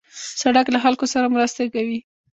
سړک له خلکو سره مرسته کوي.